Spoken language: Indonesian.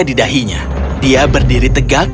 di dahinya dia berdiri tegak